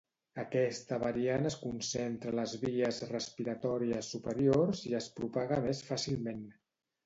Aquesta variant es concentra a les vies respiratòries superiors i es propaga més fàcilment.